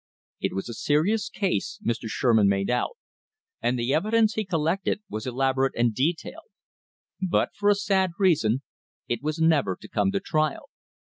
It was a serious case Mr. Sherman made out, and the evidence he collected was elaborate and detailed. But, for a sad reason, it was never to come to trial.